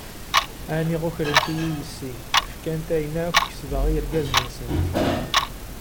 A niɣ ukrent-iyi yessi, fkant ayen akk kesbeɣ i yergazen-nsent.